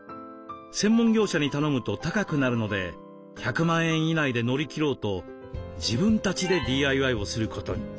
専門業者に頼むと高くなるので１００万円以内で乗り切ろうと自分たちでＤＩＹをすることに。